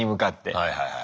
はいはいはいはい。